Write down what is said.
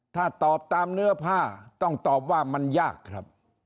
ถ้าตอบตามเนื้อผ้าต้องตอบว่ามันยากครับ